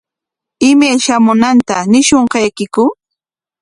¿Imay shamunanta ñishunqaykiku?